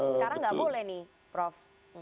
sekarang nggak boleh nih prof